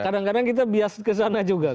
kadang kadang kita bias ke sana juga